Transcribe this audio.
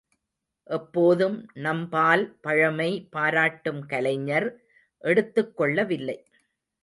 எப்போதும் நம்பால் பழமை பாராட்டும் கலைஞர் எடுத்துக்கொள்ளவில்லை.